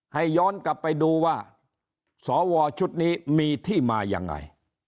ย้อนกลับไปดูว่าสวชุดนี้มีที่มายังไง